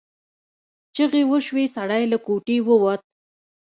چیغې وشوې سړی له کوټې ووت.